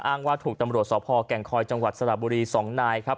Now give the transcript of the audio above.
ว่าถูกตำรวจสพแก่งคอยจังหวัดสระบุรี๒นายครับ